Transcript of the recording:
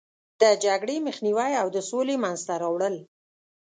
د جګړې مخنیوی او د سولې منځته راوړل.